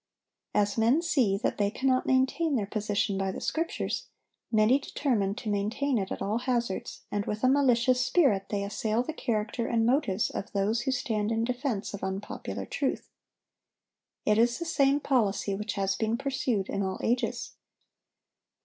(770) As men see that they cannot maintain their position by the Scriptures, many determine to maintain it at all hazards, and with a malicious spirit they assail the character and motives of those who stand in defense of unpopular truth. It is the same policy which has been pursued in all ages.